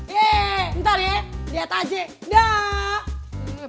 yeee ntar ya lihat aja daaah